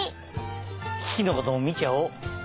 キキのこともみちゃおう！